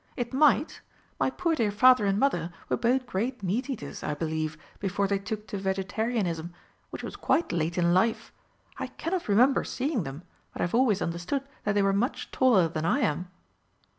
"It might. My poor dear Father and Mother were both great meat eaters, I believe, before they took to vegetarianism, which was quite late in life. I cannot remember seeing them, but I've always understood that they were much taller than I am."